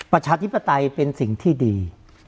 ประชาธิปไตยเป็นสิ่งที่ดี